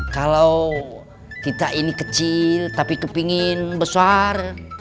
kalau kita ini kecil tapi kepingin besar